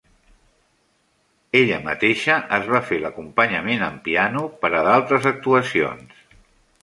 Ella mateixa es va fer l'acompanyament en piano per a d'altres actuacions.